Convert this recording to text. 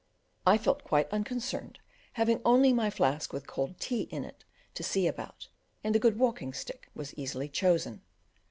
I felt quite unconcerned, having only my flask with cold tea in it to see about, and a good walking stick was easily chosen.